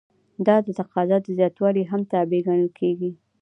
دا د تقاضا د زیاتوالي هم تابع ګڼل کیږي.